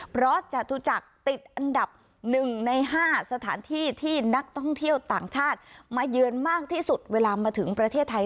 เพราะจตุจักรติดอันดับ๑ใน๕สถานที่ที่นักท่องเที่ยวต่างชาติมาเยือนมากที่สุดเวลามาถึงประเทศไทย